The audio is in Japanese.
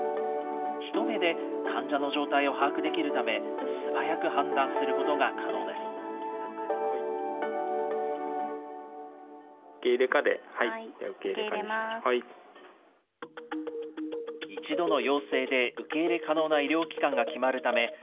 一目で患者の状態を把握できるため、素早く判断することが可能です。